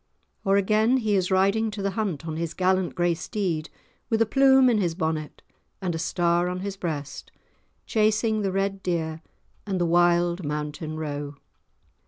Or again he is riding to the hunt on his gallant grey steed, with a plume in his bonnet and a star on his breast, chasing the red deer and the wild mountain roe.